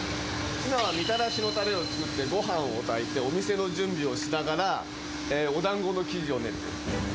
今はみたらしのたれを作って、ごはんを炊いて、お店の準備をしながら、おだんごの生地を練っている。